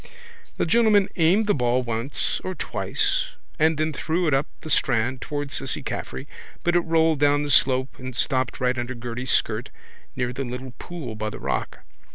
The gentleman aimed the ball once or twice and then threw it up the strand towards Cissy Caffrey but it rolled down the slope and stopped right under Gerty's skirt near the little pool by the rock.